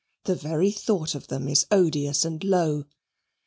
The very thought of them is odious and low.